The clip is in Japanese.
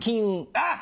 あっ！